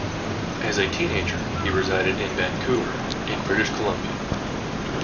As a teenager he resided in Vancouver, in British Columbia.